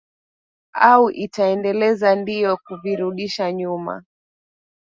au itaendeleza ndio kuviirudisha nyuma